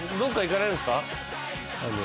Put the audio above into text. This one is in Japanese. あの。